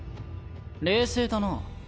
冷静だな。